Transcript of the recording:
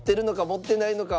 持ってないのか？